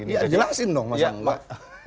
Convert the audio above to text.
ya jelasin dong masa enggak